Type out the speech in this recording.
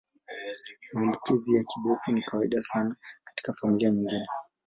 Maambukizi ya kibofu ni ya kawaida sana katika familia nyingine.